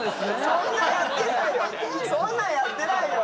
そんなんやってないよ！